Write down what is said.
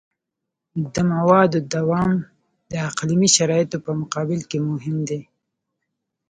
د موادو دوام د اقلیمي شرایطو په مقابل کې مهم دی